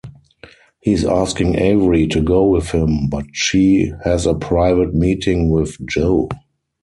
He's asking Avery to go with him, but she has a private meeting with Joe.